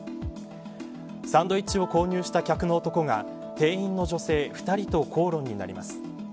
サンドイッチを購入した客の男が店員の女性２人と口論になります。